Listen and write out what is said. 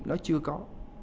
nó chưa có